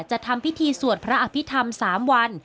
ทำพิธีสวดพระอภิษฐรรม๓วัน